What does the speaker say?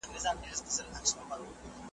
په منځ کي مېلمنه سوه د زمان د توپانونو `